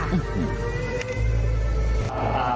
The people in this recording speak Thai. อาลัยเป็นสิ่งที่จากไป